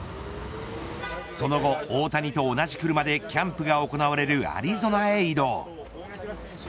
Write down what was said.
その後、大谷と同じ車でキャンプが行われるアリゾナへ移動。